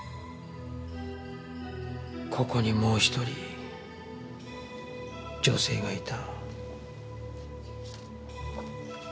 ここにもう１人女性がいた。